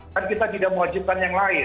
kan kita tidak mewajibkan yang lain